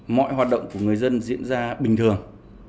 mọi hoạt động của người dân diễn ra bình thường